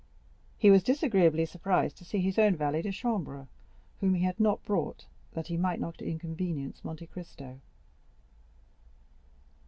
He was disagreeably surprised to see his own valet de chambre, whom he had not brought, that he might not inconvenience Monte Cristo.